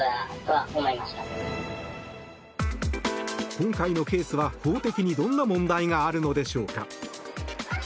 今回のケースは法的にどんな問題があるのでしょうか。